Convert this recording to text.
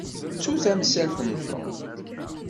Ttu tamsalt n Tom.